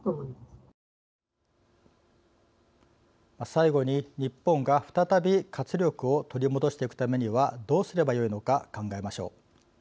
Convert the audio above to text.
最後に日本が再び活力を取り戻していくためにはどうすればよいのか考えましょう。